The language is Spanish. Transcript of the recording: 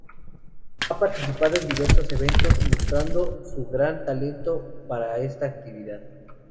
Ha participado en diversos eventos, mostrando su gran talento para esta actividad.